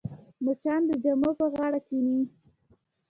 مچان د جامو پر غاړه کښېني